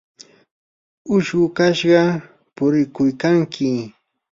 uyshu kashqa purikuykanki.